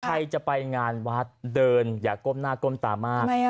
ใครจะไปงานวัดเดินอย่าก้มหน้าก้มตามาก